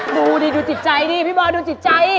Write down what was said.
ดูดิดูจิตใจดิพี่บอยดูจิตใจ